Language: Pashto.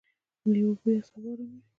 د میوو بوی اعصاب اراموي.